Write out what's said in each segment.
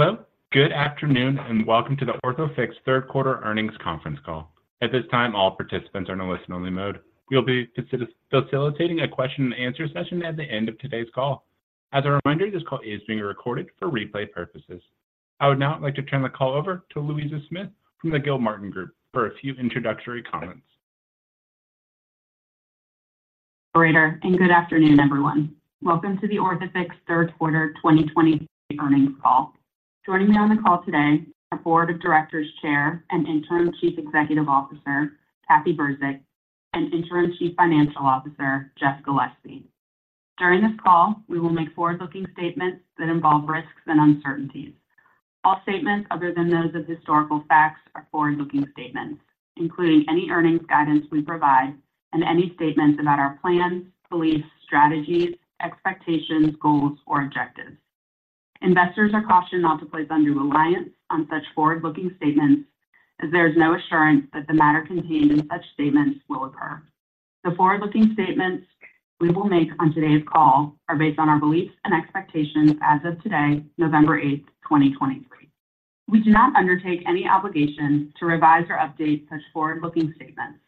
Hello, good afternoon, and welcome to the Orthofix third quarter earnings conference call. At this time, all participants are in a listen-only mode. We'll be facilitating a question-and-answer session at the end of today's call. As a reminder, this call is being recorded for replay purposes. I would now like to turn the call over to Louisa Smith from the Gilmartin Group for a few introductory comments. Operator, and good afternoon, everyone. Welcome to the Orthofix third quarter 2023 earnings call. Joining me on the call today are Board of Directors Chair and Interim Chief Executive Officer, Cathy Burzik, and Interim Chief Financial Officer, Geoff Gillespie. During this call, we will make forward-looking statements that involve risks and uncertainties. All statements other than those of historical facts are forward-looking statements, including any earnings guidance we provide and any statements about our plans, beliefs, strategies, expectations, goals, or objectives. Investors are cautioned not to place undue reliance on such forward-looking statements as there is no assurance that the matter contained in such statements will occur. The forward-looking statements we will make on today's call are based on our beliefs and expectations as of today, November 8, 2023. We do not undertake any obligation to revise or update such forward-looking statements.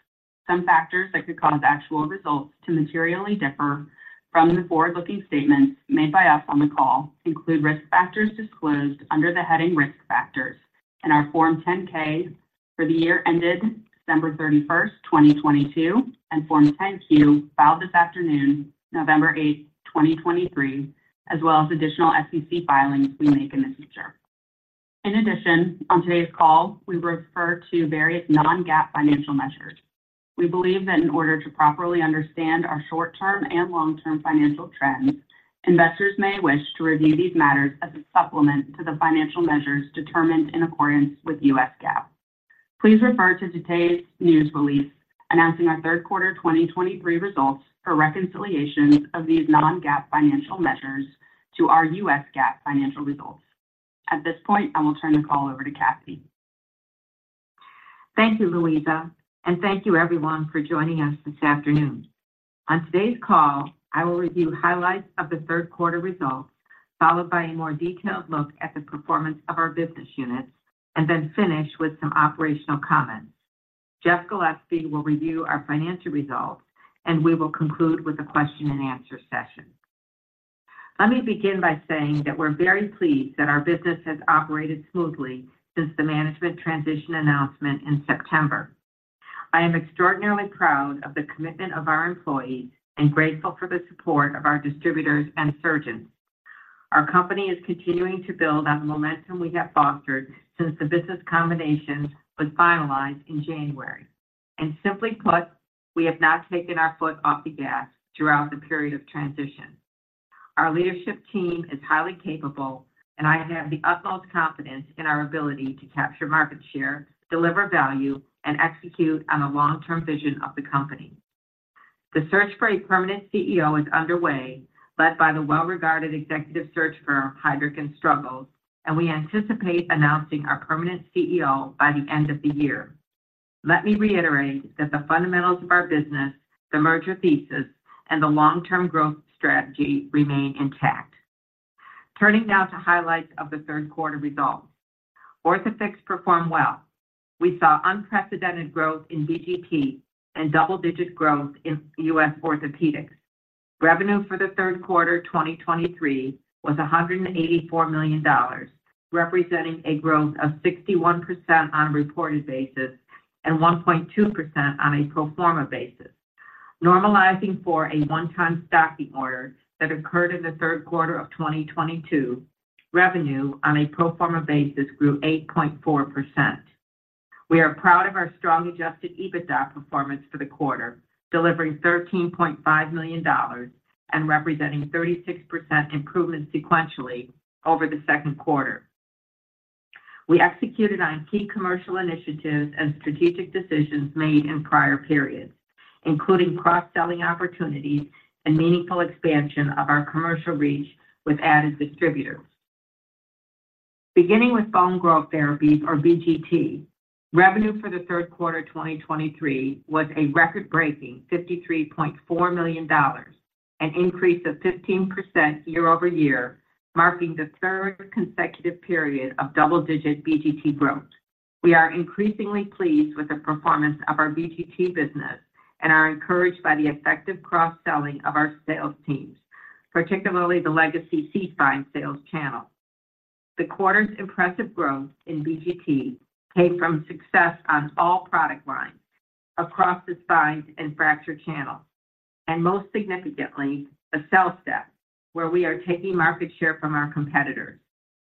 Some factors that could cause actual results to materially differ from the forward-looking statements made by us on the call include risk factors disclosed under the heading Risk Factors in our Form 10-K for the year ended December 31, 2022, and Form 10-Q, filed this afternoon, November 8, 2023, as well as additional SEC filings we make in the future. In addition, on today's call, we refer to various non-GAAP financial measures. We believe that in order to properly understand our short-term and long-term financial trends, investors may wish to review these matters as a supplement to the financial measures determined in accordance with U.S. GAAP. Please refer to today's news release, announcing our third quarter 2023 results for reconciliations of these non-GAAP financial measures to our U.S. GAAP financial results. At this point, I will turn the call over to Cathy. Thank you, Louisa, and thank you everyone for joining us this afternoon. On today's call, I will review highlights of the third quarter results, followed by a more detailed look at the performance of our business units, and then finish with some operational comments. Geoff Gillespie will review our financial results, and we will conclude with a question and answer session. Let me begin by saying that we're very pleased that our business has operated smoothly since the management transition announcement in September. I am extraordinarily proud of the commitment of our employees and grateful for the support of our distributors and surgeons. Our company is continuing to build on the momentum we have fostered since the business combination was finalized in January, and simply put, we have not taken our foot off the gas throughout the period of transition. Our leadership team is highly capable, and I have the utmost confidence in our ability to capture market share, deliver value, and execute on the long-term vision of the company. The search for a permanent CEO is underway, led by the well-regarded executive search firm, Heidrick & Struggles, and we anticipate announcing our permanent CEO by the end of the year. Let me reiterate that the fundamentals of our business, the merger thesis, and the long-term growth strategy remain intact. Turning now to highlights of the third quarter results. Orthofix performed well. We saw unprecedented growth in BGT and double-digit growth in U.S. Orthopedics. Revenue for the third quarter 2023 was $184 million, representing a growth of 61% on a reported basis and 1.2% on a pro forma basis. Normalizing for a one-time stocking order that occurred in the third quarter of 2022, revenue on a pro forma basis grew 8.4%. We are proud of our strong adjusted EBITDA performance for the quarter, delivering $13.5 million and representing 36% improvement sequentially over the second quarter. We executed on key commercial initiatives and strategic decisions made in prior periods, including cross-selling opportunities and meaningful expansion of our commercial reach with added distributors. Beginning with Bone Growth Therapies or BGT, revenue for the third quarter 2023 was a record-breaking $53.4 million, an increase of 15% year-over-year, marking the third consecutive period of double-digit BGT growth. We are increasingly pleased with the performance of our BGT business and are encouraged by the effective cross-selling of our sales teams, particularly the legacy SeaSpine sales channel. The quarter's impressive growth in BGT came from success on all product lines across the spine and fracture channel, and most significantly, the AccelStim, where we are taking market share from our competitors.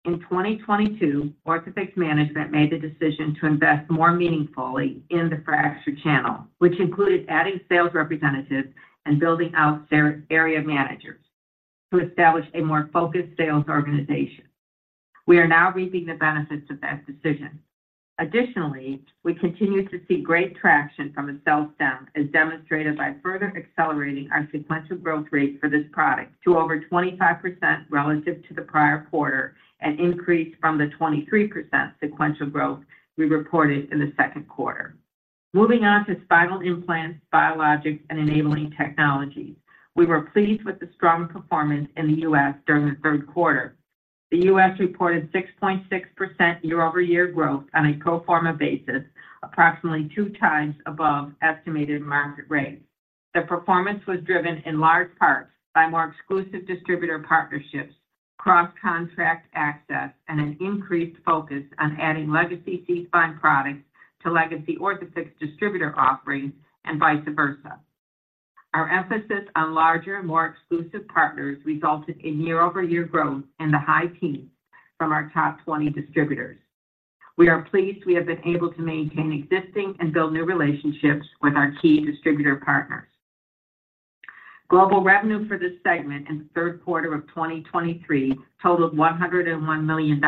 In 2022, Orthofix management made the decision to invest more meaningfully in the fracture channel, which included adding sales representatives and building out their area managers to establish a more focused sales organization. We are now reaping the benefits of that decision. Additionally, we continue to see great traction from the AccelStim, as demonstrated by further accelerating our sequential growth rate for this product to over 25% relative to the prior quarter and increased from the 23% sequential growth we reported in the second quarter. Moving on to Spinal Implants, Biologics, and Enabling Technologies. We were pleased with the strong performance in the U.S. during the third quarter. The U.S. reported 6.6% year-over-year growth on a pro forma basis, approximately 2x above estimated market rate. The performance was driven in large part by more exclusive distributor partnerships, cross-contract access, and an increased focus on adding legacy SeaSpine products to legacy Orthofix distributor offerings and vice versa. Our emphasis on larger, more exclusive partners resulted in year-over-year growth in the high teens from our top 20 distributors. We are pleased we have been able to maintain existing and build new relationships with our key distributor partners. Global revenue for this segment in the third quarter of 2023 totaled $101 million,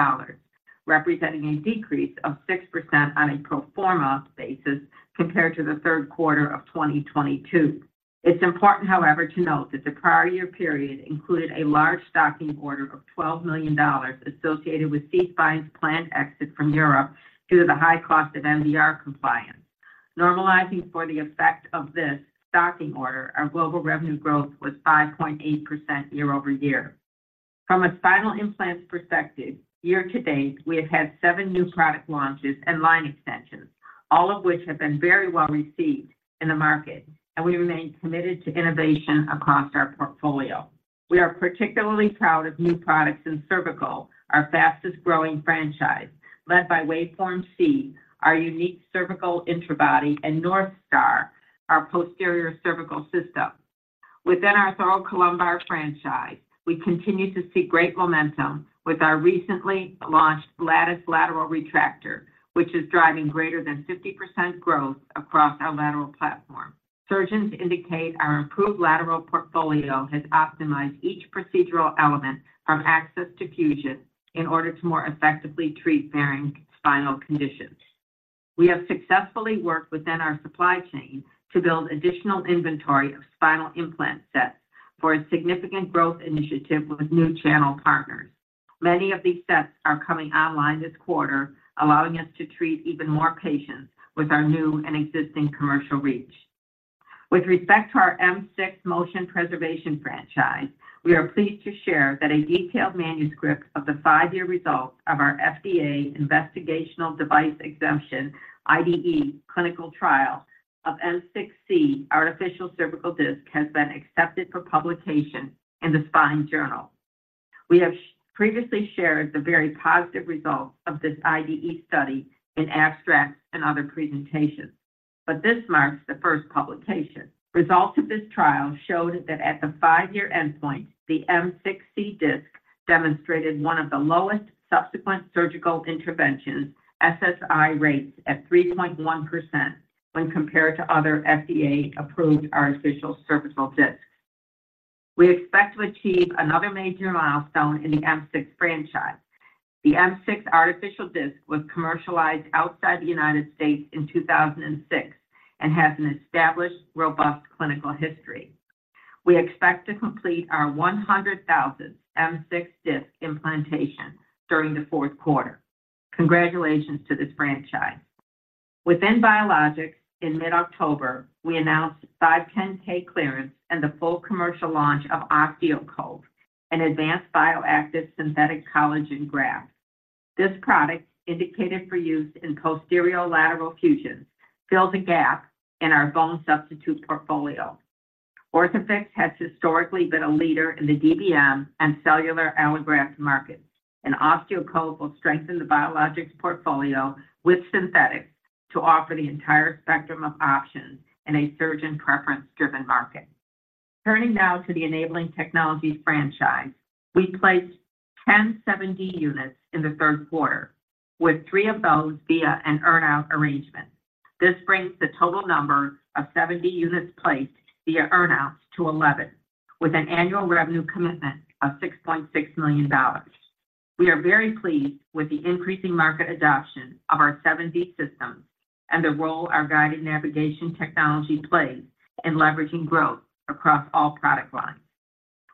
representing a decrease of 6% on a pro forma basis compared to the third quarter of 2022. It's important, however, to note that the prior year period included a large stocking order of $12 million associated with SeaSpine's planned exit from Europe due to the high cost of MDR compliance. Normalizing for the effect of this stocking order, our global revenue growth was 5.8% year-over-year. From a spinal implants perspective, year to date, we have had seven new product launches and line extensions, all of which have been very well received in the market, and we remain committed to innovation across our portfolio. We are particularly proud of new products in cervical, our fastest-growing franchise, led by WaveForm C, our unique cervical interbody, and NorthStar, our posterior cervical system. Within our thoracolumbar franchise, we continue to see great momentum with our recently launched Lattice lateral retractor, which is driving greater than 50% growth across our lateral platform. Surgeons indicate our improved lateral portfolio has optimized each procedural element from access to fusion in order to more effectively treat varying spinal conditions. We have successfully worked within our supply chain to build additional inventory of spinal implant sets for a significant growth initiative with new channel partners. Many of these sets are coming online this quarter, allowing us to treat even more patients with our new and existing commercial reach. With respect to our M6 motion preservation franchise, we are pleased to share that a detailed manuscript of the five-year results of our FDA Investigational Device Exemption, IDE, clinical trial of M6-C Artificial Cervical Disc has been accepted for publication in the Spine Journal. We have previously shared the very positive results of this IDE study in abstracts and other presentations, but this marks the first publication. Results of this trial showed that at the five-year endpoint, the M6-C disc demonstrated one of the lowest Subsequent Surgical Intervention, SSI, rates at 3.1% when compared to other FDA-approved artificial cervical discs. We expect to achieve another major milestone in the M6 franchise. The M6 artificial disc was commercialized outside the United States in 2006 and has an established, robust clinical history. We expect to complete our 100,000th M6 disc implantation during the fourth quarter. Congratulations to this franchise! Within Biologics, in mid-October, we announced 510(k) clearance and the full commercial launch of OsteoCove, an advanced bioactive synthetic collagen graft. This product, indicated for use in posterior lateral fusions, fills a gap in our bone substitute portfolio. Orthofix has historically been a leader in the DBM and cellular allograft markets, and OsteoCove will strengthen the biologics portfolio with synthetics to offer the entire spectrum of options in a surgeon preference-driven market. Turning now to the enabling technologies franchise, we placed 10 7D units in the third quarter, with three of those via an earn-out arrangement. This brings the total number of 7D units placed via earn-outs to 11, with an annual revenue commitment of $6.6 million. We are very pleased with the increasing market adoption of our 7D system and the role our guided navigation technology plays in leveraging growth across all product lines.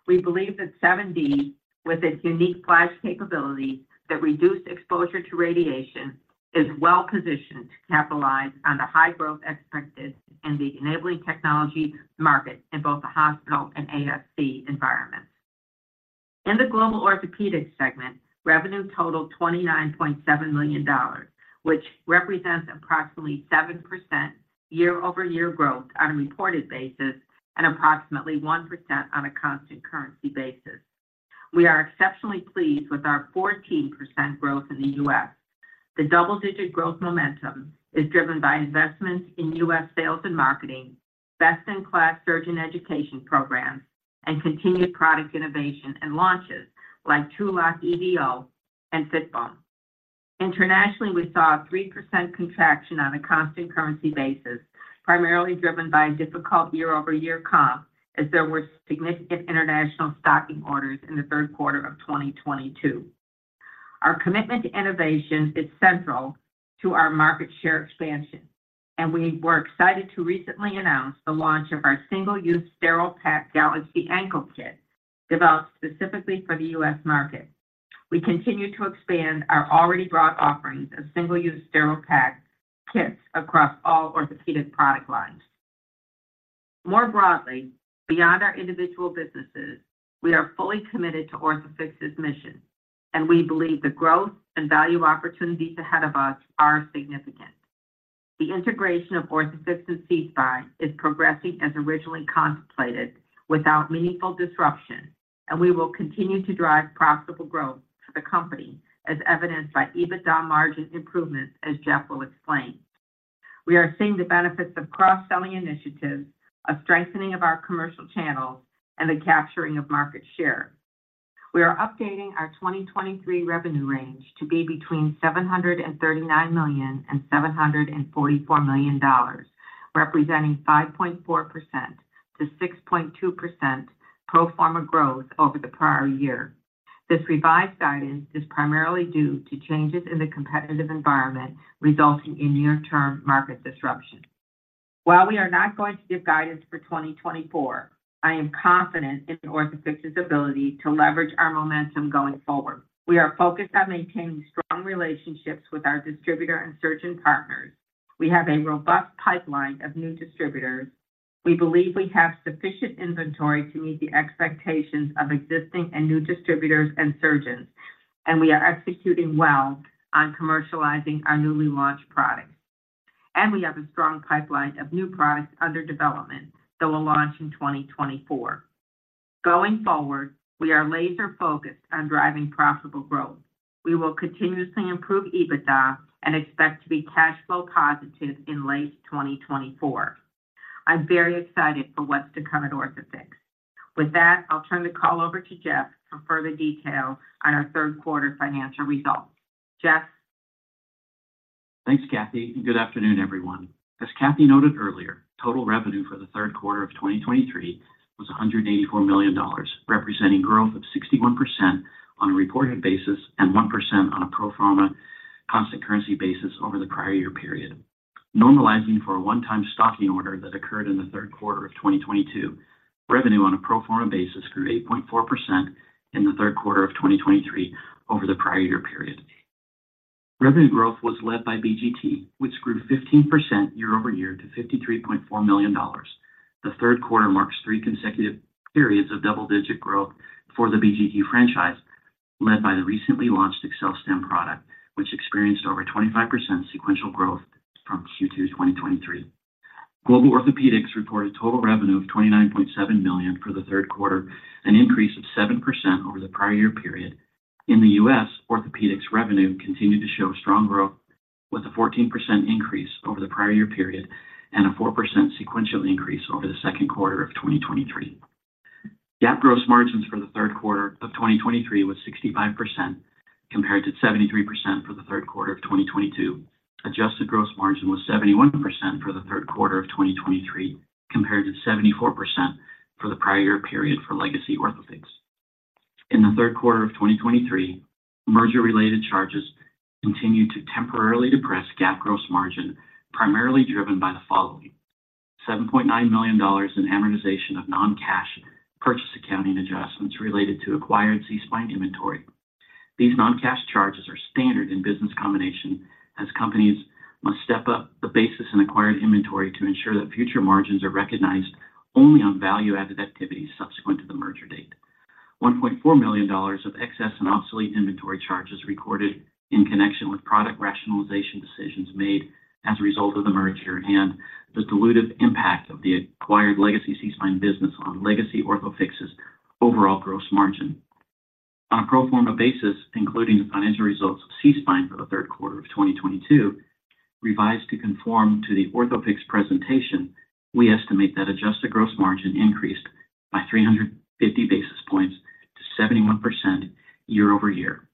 We believe that 7D, with its unique FLASH capability that reduce exposure to radiation, is well positioned to capitalize on the high growth expected in the enabling technology market in both the hospital and ASC environments. In the Global Orthopedics segment, revenue totaled $29.7 million, which represents approximately 7% year-over-year growth on a reported basis and approximately 1% on a constant currency basis. We are exceptionally pleased with our 14% growth in the U.S. The double-digit growth momentum is driven by investments in U.S. sales and marketing, best-in-class surgeon education programs, and continued product innovation and launches like TrueLok EVO and Fitbone. Internationally, we saw a 3% contraction on a constant currency basis, primarily driven by a difficult year-over-year comp, as there were significant international stocking orders in the third quarter of 2022. Our commitment to innovation is central to our market share expansion, and we were excited to recently announce the launch of our single-use sterile pack Galaxy ankle kit, developed specifically for the U.S. market. We continue to expand our already broad offerings of single-use sterile pack kits across all orthopedic product lines. More broadly, beyond our individual businesses, we are fully committed to Orthofix's mission, and we believe the growth and value opportunities ahead of us are significant. The integration of Orthofix and SeaSpine is progressing as originally contemplated, without meaningful disruption, and we will continue to drive profitable growth for the company, as evidenced by EBITDA margin improvements, as Geoff will explain. We are seeing the benefits of cross-selling initiatives, a strengthening of our commercial channels, and the capturing of market share. We are updating our 2023 revenue range to be between $739 million and $744 million, representing 5.4%-6.2% pro forma growth over the prior year. This revised guidance is primarily due to changes in the competitive environment, resulting in near-term market disruption. While we are not going to give guidance for 2024, I am confident in Orthofix's ability to leverage our momentum going forward. We are focused on maintaining strong relationships with our distributor and surgeon partners. We have a robust pipeline of new distributors. We believe we have sufficient inventory to meet the expectations of existing and new distributors and surgeons, and we are executing well on commercializing our newly launched products. We have a strong pipeline of new products under development that will launch in 2024. Going forward, we are laser-focused on driving profitable growth. We will continuously improve EBITDA and expect to be cash flow positive in late 2024. I'm very excited for what's to come at Orthofix. With that, I'll turn the call over to Geoff for further detail on our third quarter financial results. Geoff? Thanks, Cathy, and good afternoon, everyone. As Cathy noted earlier, total revenue for the third quarter of 2023 was $184 million, representing growth of 61% on a reported basis and 1% on a pro forma constant currency basis over the prior year period. Normalizing for a one-time stocking order that occurred in the third quarter of 2022, revenue on a pro forma basis grew 8.4% in the third quarter of 2023 over the prior year period. Revenue growth was led by BGT, which grew 15% year-over-year to $53.4 million. The third quarter marks three consecutive periods of double-digit growth for the BGT franchise, led by the recently launched AccelStim product, which experienced over 25% sequential growth from Q2 2023. Global Orthopedics reported total revenue of $29.7 million for the third quarter, an increase of 7% over the prior year period. In the U.S., Orthopedics revenue continued to show strong growth, with a 14% increase over the prior year period and a 4% sequential increase over the second quarter of 2023. GAAP gross margins for the third quarter of 2023 was 65%, compared to 73% for the third quarter of 2022. Adjusted gross margin was 71% for the third quarter of 2023, compared to 74% for the prior year period for legacy Orthofix. In the third quarter of 2023, merger-related charges continued to temporarily depress GAAP gross margin, primarily driven by the following: $7.9 million in amortization of non-cash purchase accounting adjustments related to acquired SeaSpine inventory. These non-cash charges are standard in business combination, as companies must step up the basis in acquired inventory to ensure that future margins are recognized only on value-added activities subsequent to the merger date. $1.4 million of excess and obsolete inventory charges recorded in connection with product rationalization decisions made as a result of the merger and the dilutive impact of the acquired legacy SeaSpine business on legacy Orthofix's overall gross margin. On a pro forma basis, including the financial results of SeaSpine for the third quarter of 2022, revised to conform to the Orthofix presentation, we estimate that adjusted gross margin increased by 350 basis points to 71% year-over-year.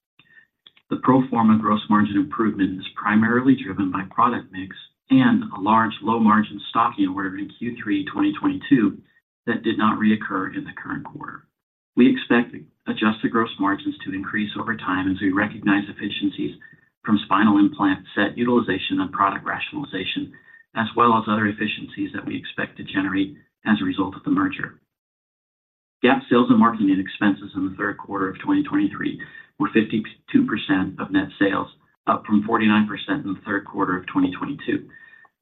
The pro forma gross margin improvement is primarily driven by product mix and a large low margin stocking order in Q3 2022 that did not reoccur in the current quarter. We expect adjusted gross margins to increase over time as we recognize efficiencies from spinal implant set utilization on product rationalization, as well as other efficiencies that we expect to generate as a result of the merger. GAAP sales and marketing expenses in the third quarter of 2023 were 52% of net sales, up from 49% in the third quarter of 2022.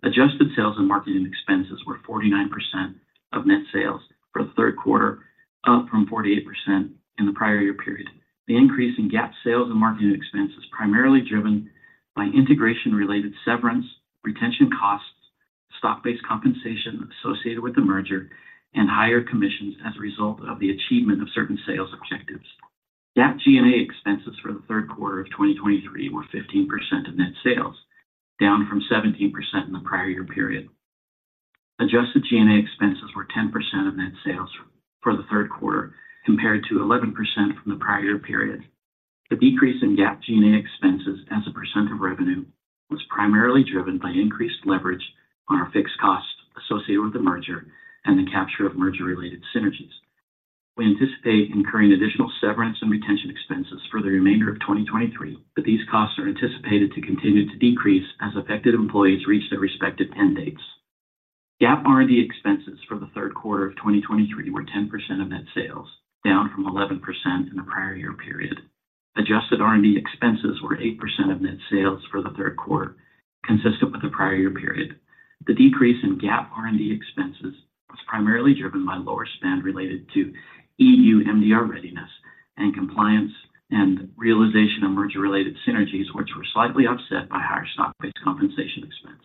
Adjusted sales and marketing expenses were 49% of net sales for the third quarter, up from 48% in the prior year period. The increase in GAAP sales and marketing expense is primarily driven by integration-related severance, retention costs, stock-based compensation associated with the merger, and higher commissions as a result of the achievement of certain sales objectives. GAAP G&A expenses for the third quarter of 2023 were 15% of net sales, down from 17% in the prior year period. Adjusted G&A expenses were 10% of net sales for the third quarter, compared to 11% from the prior year period. The decrease in GAAP G&A expenses as a percent of revenue was primarily driven by increased leverage on our fixed costs associated with the merger and the capture of merger-related synergies. We anticipate incurring additional severance and retention expenses for the remainder of 2023, but these costs are anticipated to continue to decrease as affected employees reach their respective end dates. GAAP R&D expenses for the third quarter of 2023 were 10% of net sales, down from 11% in the prior year period. Adjusted R&D expenses were 8% of net sales for the third quarter, consistent with the prior year period. The decrease in GAAP R&D expenses was primarily driven by lower spend related to EU MDR readiness and compliance and realization of merger-related synergies, which were slightly offset by higher stock-based compensation expense.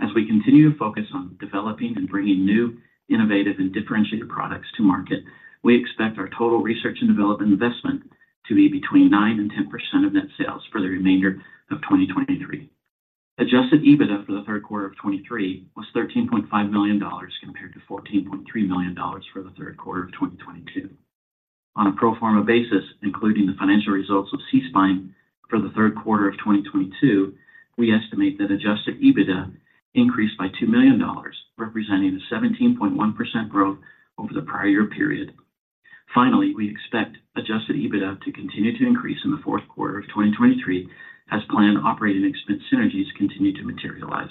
As we continue to focus on developing and bringing new, innovative, and differentiated products to market, we expect our total research and development investment to be between 9% and 10% of net sales for the remainder of 2023. Adjusted EBITDA for the third quarter of 2023 was $13.5 million, compared to $14.3 million for the third quarter of 2022. On a pro forma basis, including the financial results of SeaSpine for the third quarter of 2022, we estimate that adjusted EBITDA increased by $2 million, representing a 17.1% growth over the prior year period. Finally, we expect adjusted EBITDA to continue to increase in the fourth quarter of 2023 as planned operating expense synergies continue to materialize.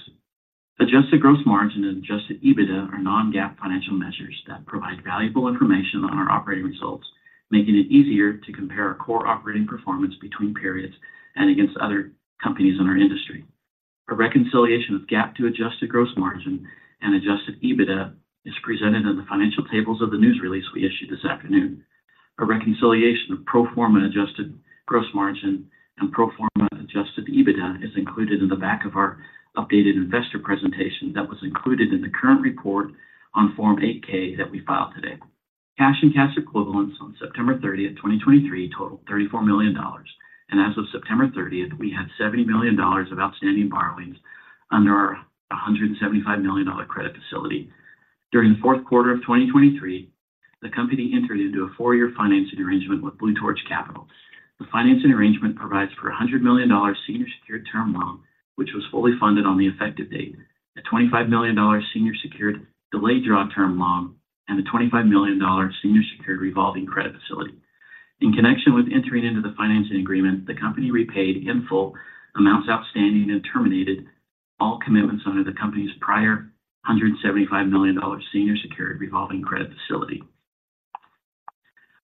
Adjusted gross margin and adjusted EBITDA are non-GAAP financial measures that provide valuable information on our operating results, making it easier to compare our core operating performance between periods and against other companies in our industry. A reconciliation of GAAP to adjusted gross margin and adjusted EBITDA is presented in the financial tables of the news release we issued this afternoon. A reconciliation of pro forma adjusted gross margin and pro forma adjusted EBITDA is included in the back of our updated investor presentation that was included in the current report on Form 8-K that we filed today. Cash and cash equivalents on September 30, 2023, totaled $34 million, and as of September 30, we had $70 million of outstanding borrowings under our $175 million credit facility. During the fourth quarter of 2023, the company entered into a four-year financing arrangement with Blue Torch Capital. The financing arrangement provides for a $100 million senior secured term loan, which was fully funded on the effective date, a $25 million senior secured delayed draw term loan, and a $25 million senior secured revolving credit facility. In connection with entering into the financing agreement, the company repaid in full amounts outstanding and terminated all commitments under the company's prior $175 million senior secured revolving credit facility.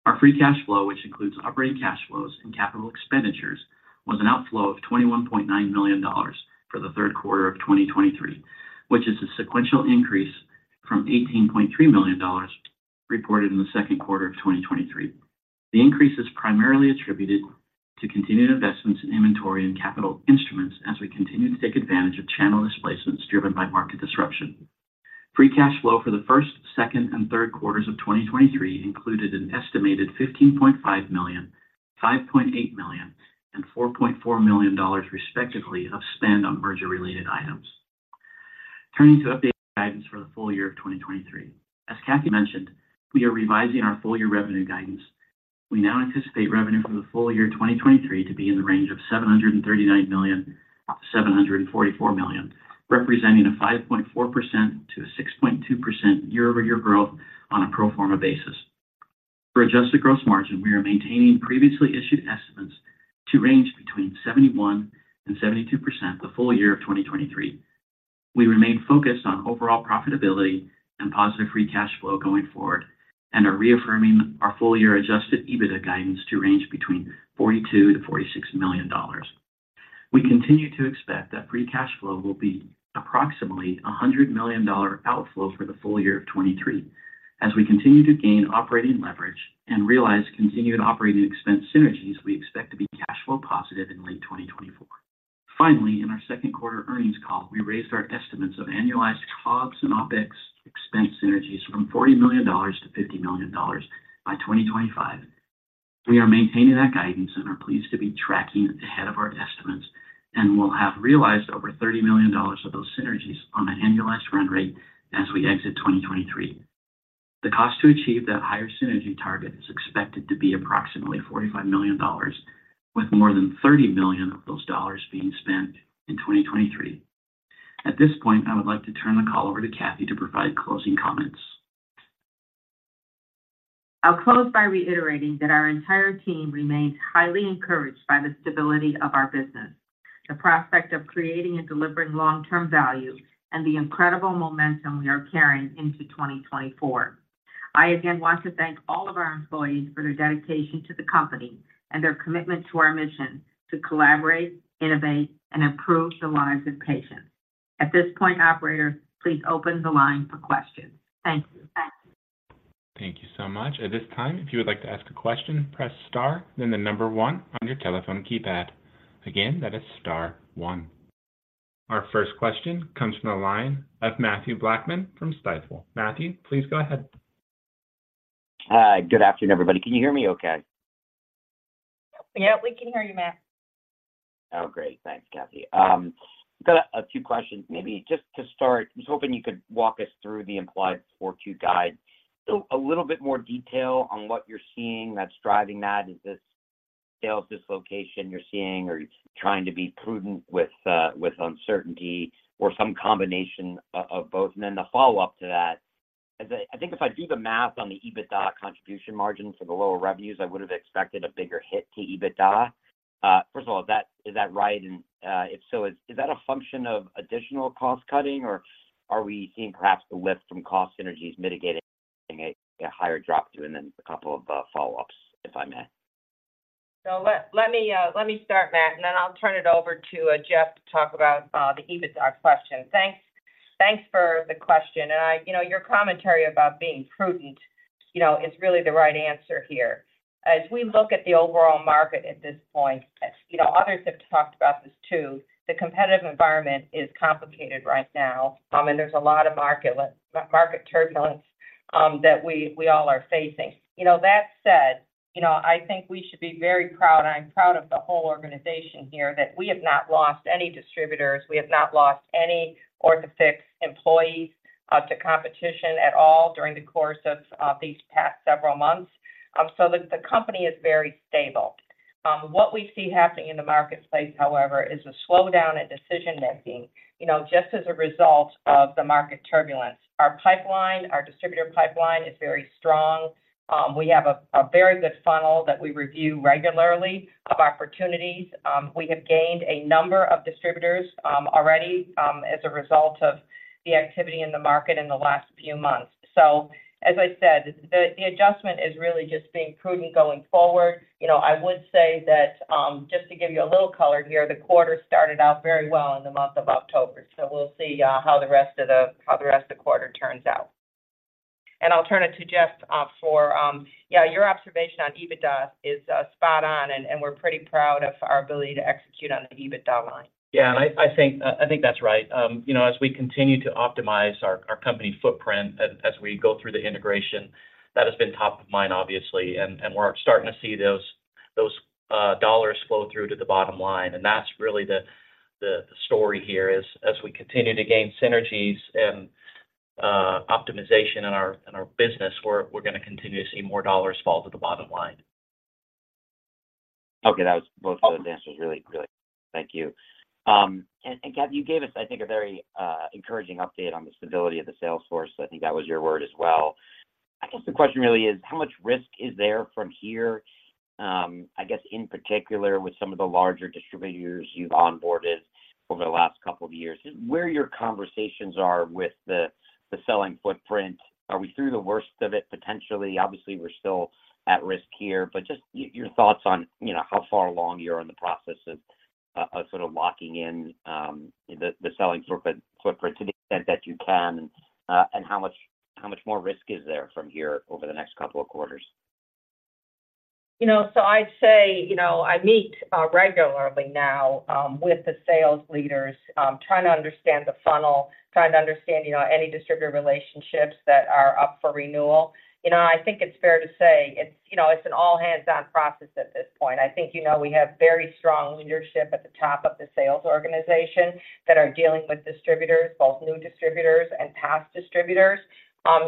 Our free cash flow, which includes operating cash flows and capital expenditures, was an outflow of $21.9 million for the third quarter of 2023, which is a sequential increase from $18.3 million reported in the second quarter of 2023. The increase is primarily attributed to continued investments in inventory and capital instruments as we continue to take advantage of channel displacements driven by market disruption. Free cash flow for the first, second, and third quarters of 2023 included an estimated $15.5 million, $5.8 million, and $4.4 million, respectively, of spend on merger-related items. Turning to updated guidance for the full year of 2023. As Cathy mentioned, we are revising our full-year revenue guidance. We now anticipate revenue for the full year 2023 to be in the range of $739 million-$744 million, representing a 5.4%-6.2% year-over-year growth on a pro forma basis. For adjusted gross margin, we are maintaining previously issued estimates to range between 71%-72% the full year of 2023. We remain focused on overall profitability and positive free cash flow going forward and are reaffirming our full year adjusted EBITDA guidance to range between $42 million-$46 million. We continue to expect that free cash flow will be approximately $100 million outflow for the full year of 2023. As we continue to gain operating leverage and realize continued operating expense synergies, we expect to be cash flow positive in late 2024. Finally, in our second quarter earnings call, we raised our estimates of annualized COGS and OpEx expense synergies from $40 million to $50 million by 2025. We are maintaining that guidance and are pleased to be tracking ahead of our estimates and will have realized over $30 million of those synergies on an annualized run rate as we exit 2023. The cost to achieve that higher synergy target is expected to be approximately $45 million, with more than $30 million of those dollars being spent in 2023. At this point, I would like to turn the call over to Cathy to provide closing comments. I'll close by reiterating that our entire team remains highly encouraged by the stability of our business, the prospect of creating and delivering long-term value, and the incredible momentum we are carrying into 2024. I again want to thank all of our employees for their dedication to the company and their commitment to our mission to collaborate, innovate, and improve the lives of patients. At this point, operator, please open the line for questions. Thank you. Thank you so much. At this time, if you would like to ask a question, press star, then the number one on your telephone keypad. Again, that is star one. Our first question comes from the line of Mathew Blackman from Stifel. Mathew, please go ahead. Hi. Good afternoon, everybody. Can you hear me okay? Yep, we can hear you, Matt. Oh, great. Thanks, Cathy. Got a few questions. Maybe just to start, I was hoping you could walk us through the implied 4Q guide. So a little bit more detail on what you're seeing that's driving that. Is this sales dislocation you're seeing, or you're trying to be prudent with uncertainty or some combination of both? And then the follow-up to that. I think if I do the math on the EBITDA contribution margins for the lower revenues, I would have expected a bigger hit to EBITDA. First of all, is that right? And if so, is that a function of additional cost-cutting, or are we seeing perhaps the lift from cost synergies mitigating a higher drop through? And then a couple of follow-ups, if I may. So let me start, Matt, and then I'll turn it over to Geoff to talk about the EBITDA question. Thanks for the question. And, you know, your commentary about being prudent, you know, is really the right answer here. As we look at the overall market at this point, you know, others have talked about this too, the competitive environment is complicated right now, and there's a lot of market turbulence that we all are facing. You know, that said, you know, I think we should be very proud, I'm proud of the whole organization here, that we have not lost any distributors. We have not lost any Orthofix employees to competition at all during the course of these past several months. So the company is very stable. What we see happening in the marketplace, however, is a slowdown in decision making, you know, just as a result of the market turbulence. Our pipeline, our distributor pipeline is very strong. We have a very good funnel that we review regularly of opportunities. We have gained a number of distributors, already, as a result of the activity in the market in the last few months. So as I said, the adjustment is really just being prudent going forward. You know, I would say that, just to give you a little color here, the quarter started out very well in the month of October, so we'll see, how the rest of the quarter turns out. I'll turn it to Geoff for your observation on EBITDA is spot on, and we're pretty proud of our ability to execute on the EBITDA line. Yeah, and I think that's right. You know, as we continue to optimize our company footprint, as we go through the integration, that has been top of mind, obviously, and we're starting to see those dollars flow through to the bottom line. And that's really the story here, is as we continue to gain synergies and optimization in our business, we're gonna continue to see more dollars fall to the bottom line. Okay. That was both of those answers really good. Thank you. And, Cathy, you gave us, I think, a very encouraging update on the stability of the sales force. I think that was your word as well. I guess the question really is, how much risk is there from here, I guess in particular with some of the larger distributors you've onboarded over the last couple of years? Where your conversations are with the selling footprint, are we through the worst of it, potentially? Obviously, we're still at risk here, but just your thoughts on, you know, how far along you are in the process of sort of locking in the selling footprint to the extent that you can, and how much more risk is there from here over the next couple of quarters? You know, so I'd say, you know, I meet regularly now with the sales leaders trying to understand the funnel, trying to understand, you know, any distributor relationships that are up for renewal. You know, I think it's fair to say it's, you know, it's an all-hands-on process at this point. I think, you know, we have very strong leadership at the top of the sales organization that are dealing with distributors, both new distributors and past distributors.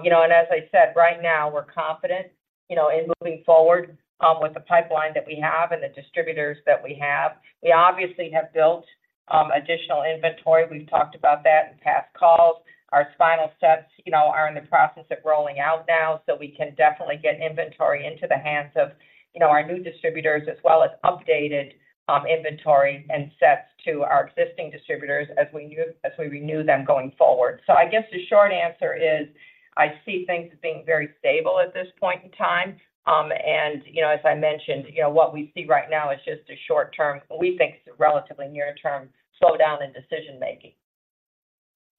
You know, and as I said, right now, we're confident, you know, in moving forward with the pipeline that we have and the distributors that we have. We obviously have built additional inventory. We've talked about that in past calls. Our spinal sets, you know, are in the process of rolling out now, so we can definitely get inventory into the hands of, you know, our new distributors, as well as updated inventory and sets to our existing distributors as we renew them going forward. So I guess the short answer is, I see things being very stable at this point in time. And, you know, as I mentioned, you know, what we see right now is just a short term, we think it's a relatively near-term slowdown in decision making.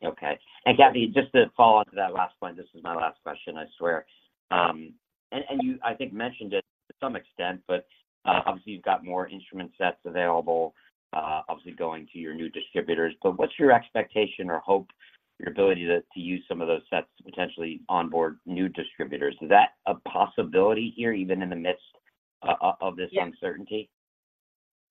Okay. Cathy, just to follow up to that last point, this is my last question, I swear. And you, I think, mentioned it to some extent, but obviously, you've got more instrument sets available, obviously, going to your new distributors. But what's your expectation or hope, your ability to use some of those sets to potentially onboard new distributors? Is that a possibility here, even in the midst of this- Yeah... uncertainty?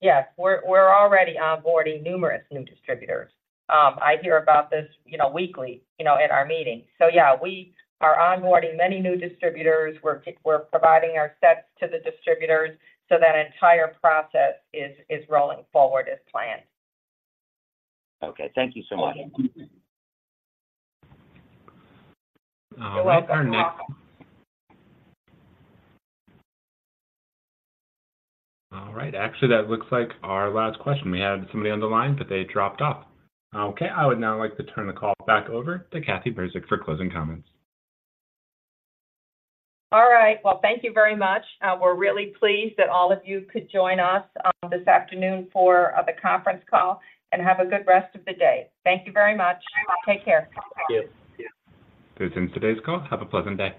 Yes. We're already onboarding numerous new distributors. I hear about this, you know, weekly, you know, in our meetings. So yeah, we are onboarding many new distributors. We're providing our sets to the distributors, so that entire process is rolling forward as planned. Okay. Thank you so much. Thank you. Our next- You're welcome. All right. Actually, that looks like our last question. We had somebody on the line, but they dropped off. Okay, I would now like to turn the call back over to Cathy Burzik for closing comments. All right. Well, thank you very much. We're really pleased that all of you could join us this afternoon for the conference call, and have a good rest of the day. Thank you very much. Take care. Thank you. This ends today's call. Have a pleasant day.